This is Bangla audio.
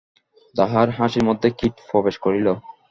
তাহার হাসির মধ্যে কীট প্রবেশ করিল।